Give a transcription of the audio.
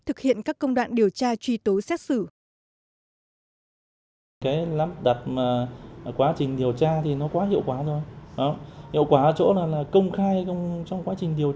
thực hiện các công đoạn điều tra truy tố xét xử